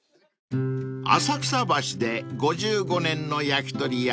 ［浅草橋で５５年の焼き鳥屋］